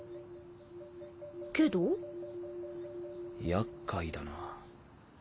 やっかいだな。